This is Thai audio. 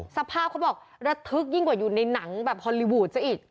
เขาบอกระทึกยิ่งกว่าอยู่ในหนังแบบฮอลลีวูดซะอีก